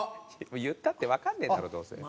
言ったってわかんねえだろどうせ。